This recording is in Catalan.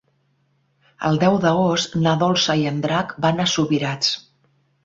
El deu d'agost na Dolça i en Drac van a Subirats.